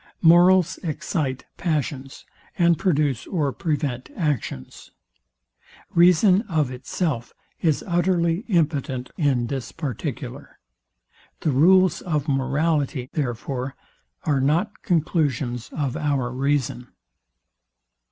Morals excite passions, and produce or prevent actions. Reason of itself is utterly impotent in this particular. The rules of morality therefore, are not conclusions of our reason.